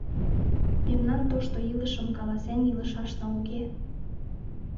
Мемнан тошто илышым каласен илышашна уке.